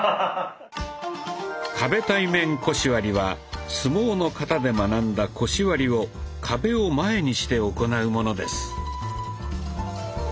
壁対面腰割りは相撲の型で学んだ「腰割り」を壁を前にして行うものです。